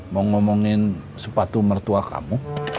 mau ngomongin sepatu mertua kamu